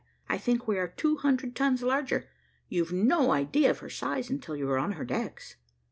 "I think we are two hundred tons larger. You've no idea of her size until you are on her decks."